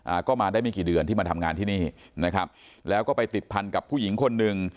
อ่าก็มาได้ไม่กี่เดือนที่มาทำงานที่นี่นะครับแล้วก็ไปติดพันกับผู้หญิงคนหนึ่ง